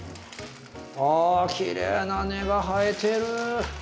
あきれいな根が生えてる。